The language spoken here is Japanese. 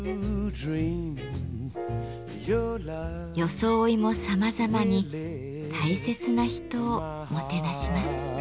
装いもさまざまに大切な人をもてなします。